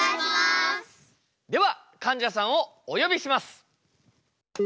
ではかんじゃさんをお呼びします！